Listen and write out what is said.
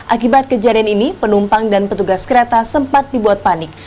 akibat kejadian ini penumpang dan petugas kereta sempat dibuat panik